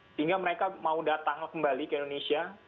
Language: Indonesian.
sehingga mereka mau datang kembali ke indonesia